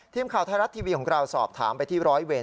ทีมข่าวไทยรัฐทีวีของเราสอบถามไปที่ร้อยเวร